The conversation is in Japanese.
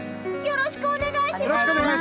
よろしくお願いします！